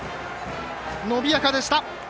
伸びやかでした。